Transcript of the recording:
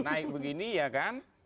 naik begini ya kan